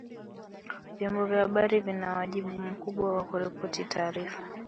Vyombo vya habari vina wajibu mkubwa wa kuripoti taarifa